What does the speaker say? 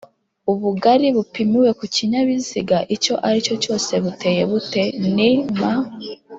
ubugari bupimiwe kukinyabiziga icyo aricyo cyose buteye bute? ni m ,